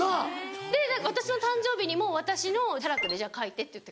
で私の誕生日にも私のを写楽で描いてって言って。